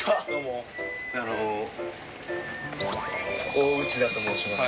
大内田と申します。